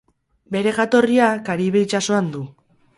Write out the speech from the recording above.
Bere jatorria Karibe itsasoan du.